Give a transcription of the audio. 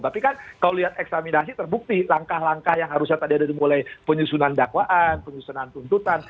tapi kan kalau lihat eksaminasi terbukti langkah langkah yang harusnya tadi ada dimulai penyusunan dakwaan penyusunan tuntutan